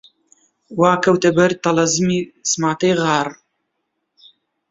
وا کەوتە بەر تەڵەزمی سماتەی غار